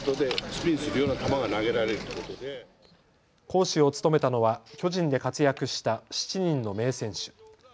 講師を務めたのは巨人で活躍した７人の名選手。